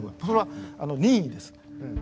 それは任意です。